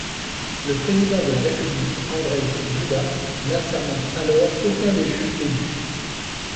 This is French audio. Le président de la République Andrzej Duda n'assermente alors aucun des juges élus.